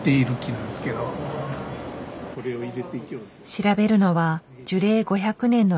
調べるのは樹齢５００年の老木。